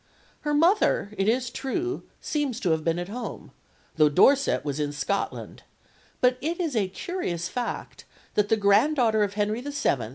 Her mother, it is true, seems to have been at home, though Dorset was in Scotland; but it is a curious fact that the grand daughter of Henry VII.